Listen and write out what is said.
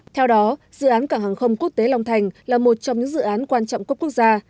theo đó dự án cảng hàng không quốc tế long thành là một trong những dự án quan trọng quốc gia